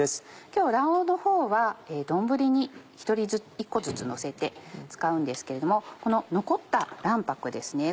今日は卵黄のほうは丼に１人１個ずつのせて使うんですけれどもこの残った卵白ですね